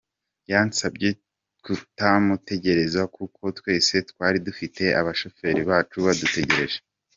Yansabye kutamutegereza kuko twese twari dufite abashoferi bacu badutegereje.”